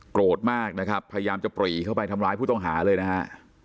โกรธมากนะครับพยายามจะปรีเข้าไปทำร้ายผู้ต้องหาเลยนะฮะ